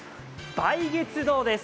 梅月堂です。